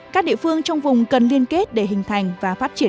các địa phương trong vùng cần liên kết để hình thành và phát triển